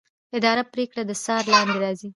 اداري پرېکړه د څار لاندې راځي.